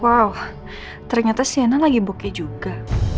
wah ternyata shaina lagi bokeh juga